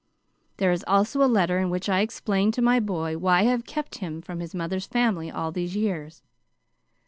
There is also a letter in which I explain to my boy why I have kept him from his mother's family all these years.